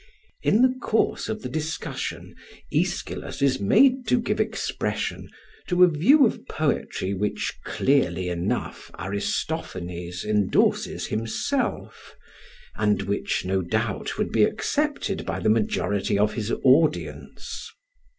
In the course of the discussion Aeschylus is made to give expression to a view of poetry which clearly enough Aristophanes endorses himself, and which no doubt would be accepted by the majority of his audience.